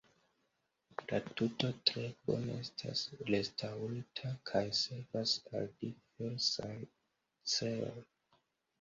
La tuto tre bone estas restaŭrita kaj servas al diversaj celoj.